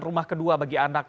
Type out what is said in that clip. rumah kedua bagi anak